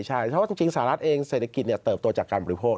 ใช่เพราะว่าจริงสหรัฐเองเศรษฐกิจเติบโตจากการบริโภค